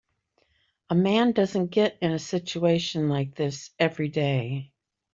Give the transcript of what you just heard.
A man doesn't get in a situation like this every day.